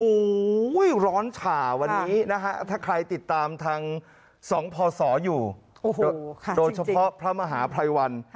โอ้โหร้อนฉ่าวันนี้นะฮะถ้าใครติดตามทาง๒พศอยู่โดยเฉพาะพระมหาภัยวัน